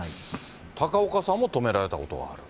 高岡さんも止められることがある？